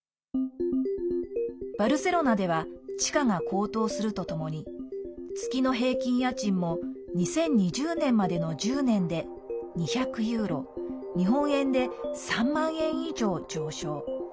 バルセロナでは地価が高騰するとともに月の平均家賃も２０２０年までの１０年で２００ユーロ日本円で３万円以上上昇。